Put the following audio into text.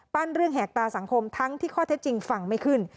เรื่องแหกตาสังคมทั้งที่ข้อเท็จจริงฟังไม่ขึ้น